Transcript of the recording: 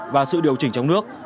và sự điều chỉnh trong nước